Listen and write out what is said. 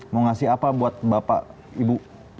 mau ngasih apa buat bapak ibu